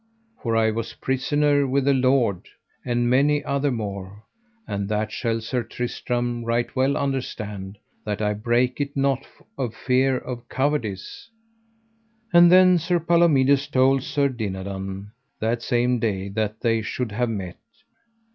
For I was prisoner with a lord, and many other more, and that shall Sir Tristram right well understand, that I brake it not of fear of cowardice. And then Sir Palomides told Sir Dinadan the same day that they should have met.